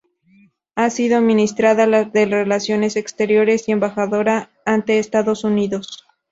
Ha sido Ministra de Relaciones Exteriores y Embajadora ante Estados Unidos.